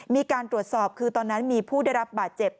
มีการตรวจสอบคือตอนนั้นมีผู้ได้รับบาดเจ็บ